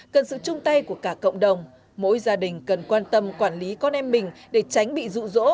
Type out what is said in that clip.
cần sự chung tay của cả cộng đồng mỗi gia đình cần quan tâm quản lý con em mình để tránh bị rụ rỗ